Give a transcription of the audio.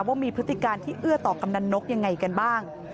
ว่ามีพฤติการที่เอื้อต่อกำนันนกยังไงกันบ้าง